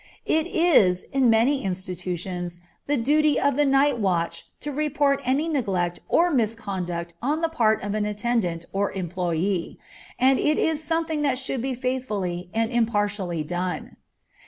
It is, in many institutions, the duty of the night watch to report any neglect or misconduct on the part of an attendant or employé, and it is something that should be faithfully and impartially done.